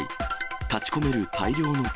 立ちこめる大量の煙。